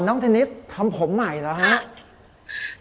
น้องเทนนิสทำผมใหม่ด้วยไหม